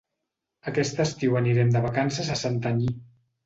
Aquest estiu anirem de vacances a Santanyí.